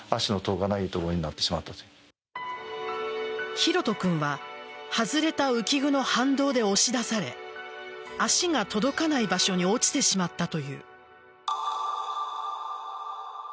拓杜君は外れた浮具の反動で押し出され足が届かない場所に落ちてしまったという。